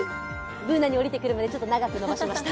Ｂｏｏｎａにおりてくるまで、ちょっと長くもたせました。